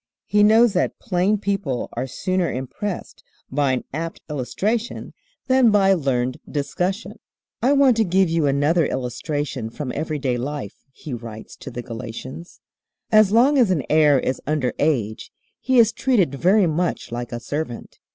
He knows that plain people are sooner impressed by an apt illustration than by learned discussion. "I want to give you another illustration from everyday life," he writes to the Galatians. "As long as an heir is under age he is treated very much like a servant.